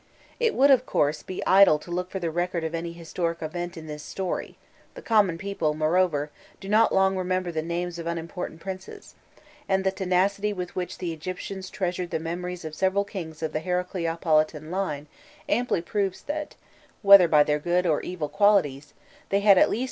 It would, of course, be idle to look for the record of any historic event in this story; the common people, moreover, do not long remember the names of unimportant princes, and the tenacity with which the Egyptians treasured the memories of several kings of the Heracleopolitan line amply proves that, whether by their good or evil qualities, they had at least made a lasting impression upon the popular imagination.